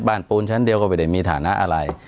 ปูนชั้นเดียวก็ไม่ได้มีฐานะอะไร